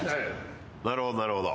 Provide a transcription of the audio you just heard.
なるほどなるほど。